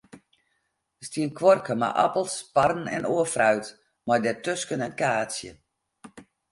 Der stie in kuorke mei apels, parren en oar fruit, mei dêrtusken in kaartsje.